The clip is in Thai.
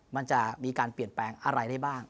มันจะมีการเปลี่ยนแปลงอะไรได้บ้าง